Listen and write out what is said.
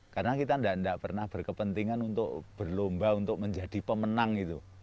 karena kita tidak pernah berkepentingan untuk berlomba untuk menjadi pemenang itu